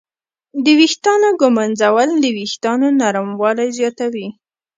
د ویښتانو ږمنځول د وېښتانو نرموالی زیاتوي.